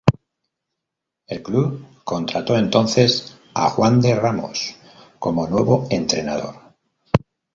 El club contrató entonces a Juande Ramos como nuevo entrenador.